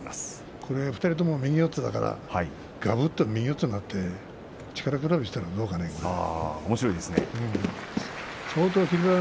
２人とも右四つだからがぶっと右四つになって力比べしたらどうかね。